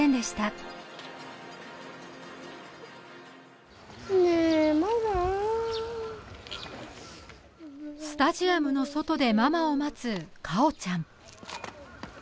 ママスタジアムの外でママを待つ果緒ちゃん